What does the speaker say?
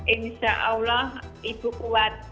insya allah ibu kuat